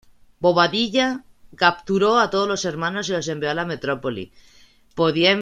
Bobadilla capturó a todos los hermanos y los envió a la metrópoli.